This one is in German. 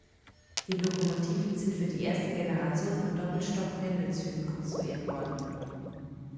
Die Lokomotiven sind für die erste Generation von Doppelstock-Pendelzügen konstruiert worden.